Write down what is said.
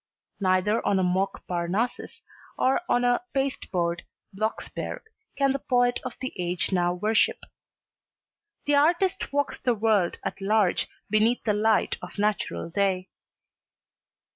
Neither on a mock Parnassus nor on a paste board Blocksberg can the poet of the age now worship. The artist walks the world at large beneath the light of natural day."